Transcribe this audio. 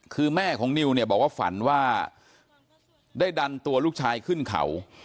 คือแม่ของนิวเนี่ยบอกว่าฝันว่าได้ดันตัวลูกชายขึ้นเขา